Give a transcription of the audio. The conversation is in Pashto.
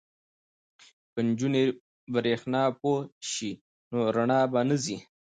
که نجونې بریښنا پوهې شي نو رڼا به نه ځي.